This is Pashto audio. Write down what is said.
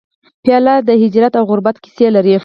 پیاله د هجرت او غربت کیسې لري.